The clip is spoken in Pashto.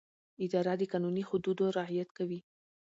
اداره د قانوني حدودو رعایت کوي.